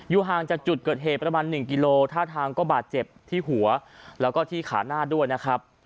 ห่างจากจุดเกิดเหตุประมาณ๑กิโลท่าทางก็บาดเจ็บที่หัวแล้วก็ที่ขาหน้าด้วยนะครับ